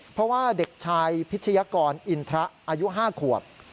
เพราะว่าเด็กชายพิชยากรอินทระอายุ๕ขวบ